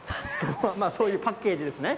そういうパッケージですね。